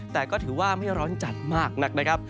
แต่ก็ถือว่าไม่ร้อนจัดมากนักนะครับ